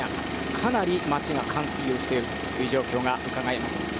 かなり町が冠水をしている状況がうかがえます。